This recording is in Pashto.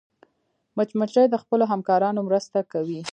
مچمچۍ د خپلو همکارانو مرسته کوي